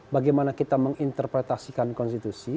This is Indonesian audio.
bagaimana kita menginterpretasikan konstitusi